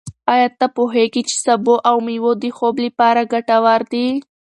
ایا ته پوهېږې چې سبو او مېوې د خوب لپاره ګټور دي؟